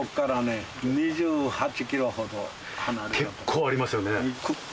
結構ありますよね。